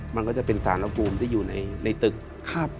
มันก็จะเป็นสารภูมิที่อยู่ในตึก